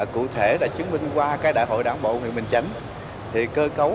cụ thể đã chứng minh qua đại hội đảng bộ huyện bình chấn